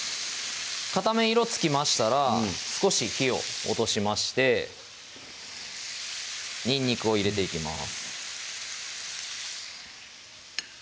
片面色つきましたら少し火を落としましてにんにくを入れていきます